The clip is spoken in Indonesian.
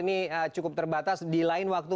ini cukup terbatas di lain waktu